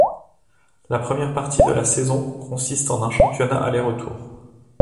La première partie de la saison consiste en un championnat aller-retour.